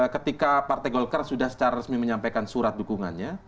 ketika partai golkar sudah secara resmi menyampaikan surat dukungannya